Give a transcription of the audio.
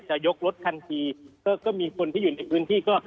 จะยกรถทันทีก็มีคนที่อยู่ในพื้นที่ก็